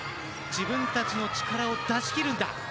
自分たちの力を出し切るんだ。